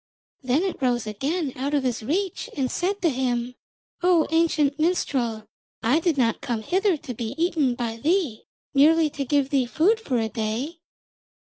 Then it rose again out of his reach and said to him: 'O ancient minstrel, I did not come hither to be eaten by thee, merely to give thee food for a day.'